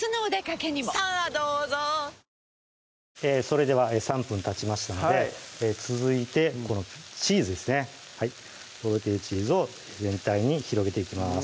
それでは３分たちましたので続いてこのチーズですねとろけるチーズを全体に広げていきます